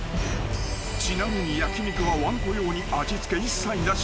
［ちなみに焼き肉はわんこ用に味付け一切なし］